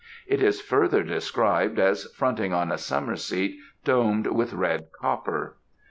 It is further described as fronting on a summer seat domed with red copper."